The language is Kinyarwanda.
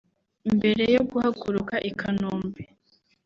Mbere yo guhaguruka i Kanombe